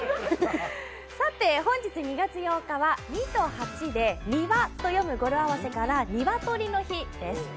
本日２月８日は２と８で「にわ」と読む語呂合わせからにわとりの日です。